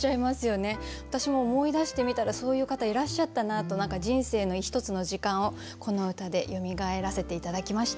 私も思い出してみたらそういう方いらっしゃったなと何か人生の一つの時間をこの歌でよみがえらせて頂きました。